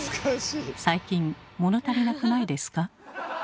最近物足りなくないですか？